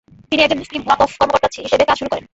তিনি একজন মুসলিম ওয়াকফ কর্মকর্তা হিসেবে কাজ শুরু করেন।